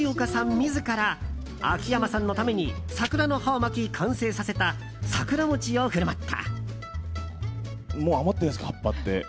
自ら秋山さんのために桜の葉を巻き、完成させた桜餅を振る舞った。